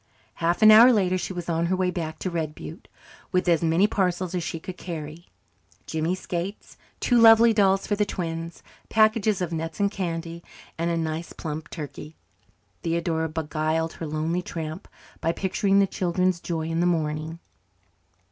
Half an hour later she was on her way back to Red Butte, with as many parcels as she could carry Jimmy's skates, two lovely dolls for the twins, packages of nuts and candy, and a nice plump turkey. Theodora beguiled her lonely tramp by picturing the children's joy in the morning.